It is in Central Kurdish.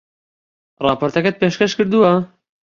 ڕاپۆرتەکەت پێشکەش کردووە؟